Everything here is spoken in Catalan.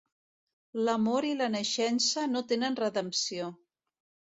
L'amor i la naixença no tenen redempció.